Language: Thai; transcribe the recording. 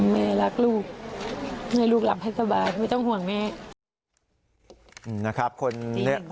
แม่รักลูกให้ลูกหลับให้สบายไม่ต้องห่วงแม่